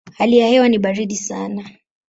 Hali ya hewa ni baridi sana.